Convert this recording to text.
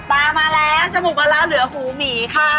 ป๊ามาแล้วจมูกละแล้วเหลือหูหมีค่า